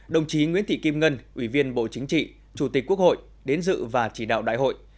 đồng chí nguyễn thị kim ngân ủy viên bộ chính trị chủ tịch quốc hội đến dự và chỉ đạo đại hội